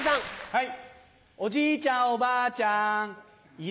はい。